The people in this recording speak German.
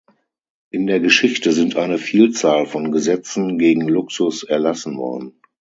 In der Geschichte sind eine Vielzahl von Gesetzen gegen Luxus erlassen worden.